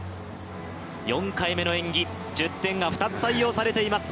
４回目の演技、１０点が２つ採用されています。